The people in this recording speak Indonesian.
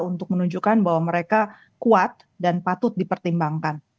untuk menunjukkan bahwa mereka kuat dan patut dipertimbangkan